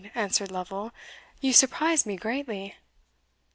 answered Lovel "you surprise me greatly."